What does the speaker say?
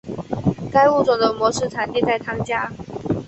该物种的模式产地在汤加。